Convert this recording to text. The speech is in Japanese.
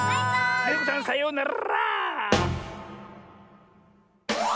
デテコさんさようなら！